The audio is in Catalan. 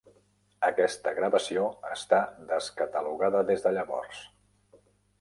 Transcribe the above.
Aquesta gravació està descatalogada des de llavors.